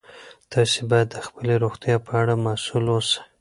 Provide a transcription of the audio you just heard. تاسي باید د خپلې روغتیا په اړه مسؤل اوسئ.